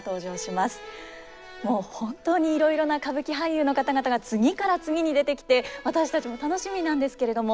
もう本当にいろいろな歌舞伎俳優の方々が次から次に出てきて私たちも楽しみなんですけれども。